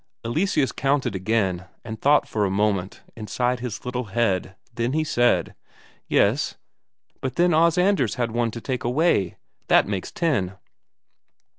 Eleseus counted again, and thought for a moment inside his little head; then he said: "Yes, but then Os Anders had one to take away; that makes ten."